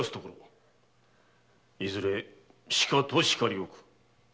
いずれしかと叱りおく。